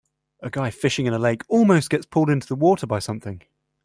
A guy fishing in a lake almost gets pulled into the water by something